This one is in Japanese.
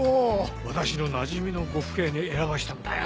私のなじみの呉服屋に選ばせたんだよ。